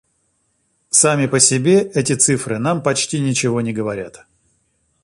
Сами по себе эти цифры нам почти ничего не говорят.